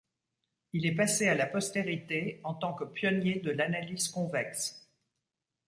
Il est passé à la postérité en tant que pionnier de l'analyse convexe.